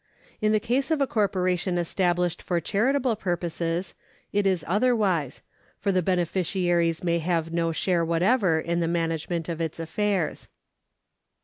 In the case of a corporation established for charitable pur poses it is otherwise, for the beneficiaries may have no share whatever in the management of its affairs.